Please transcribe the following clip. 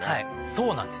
そうなんです